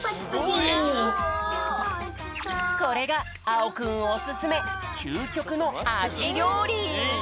すごい！これがあおくんおすすめきゅうきょくのアジりょうり！